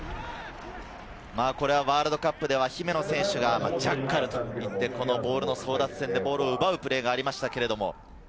ワールドカップでは姫野選手がジャッカルと言って、ボールの争奪戦で、ボールを奪うプレーがありました。